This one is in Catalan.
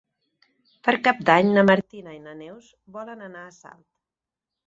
Per Cap d'Any na Martina i na Neus volen anar a Salt.